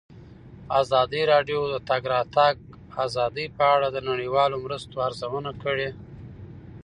ازادي راډیو د د تګ راتګ ازادي په اړه د نړیوالو مرستو ارزونه کړې.